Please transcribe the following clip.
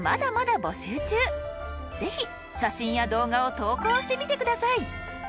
ぜひ写真や動画を投稿してみて下さい。